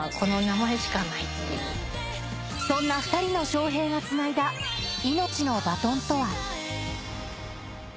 そんな２人の翔平が繋いだ命のバトンとは？